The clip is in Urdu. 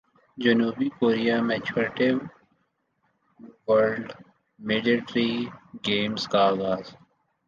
جنوبی کوریا میں چھٹے ورلڈ ملٹری گیمز کا اغاز